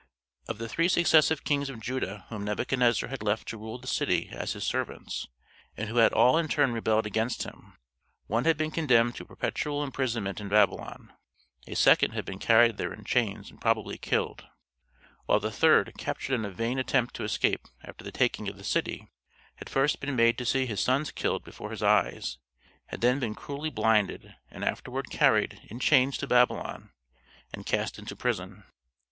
Of the three successive kings of Judah whom Nebuchadnezzar had left to rule the city as his servants, and who had all in turn rebelled against him, one had been condemned to perpetual imprisonment in Babylon; a second had been carried there in chains and probably killed, while the third, captured in a vain attempt to escape after the taking of the city, had first been made to see his sons killed before his eyes, had then been cruelly blinded, and afterward carried in chains to Babylon, and cast into prison.